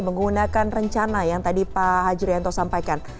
menggunakan rencana yang tadi pak hajrianto sampaikan